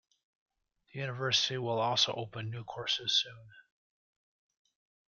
The university will also open new courses soon.